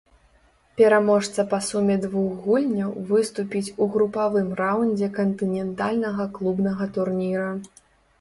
Пераможца па суме двух гульняў выступіць у групавым раўндзе кантынентальнага клубнага турніра.